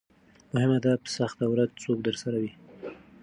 مهمه ده په سخته ورځ څوک درسره وي.